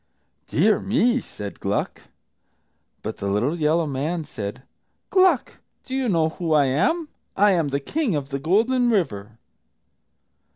"Dear, me!" said Gluck. But the little yellow man said, "Gluck, do you know who I am? I am the King of the Golden River."